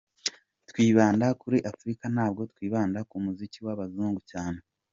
Twibanda kuri Afurika ntabwo twibanda ku muziki w’abazungu cyane.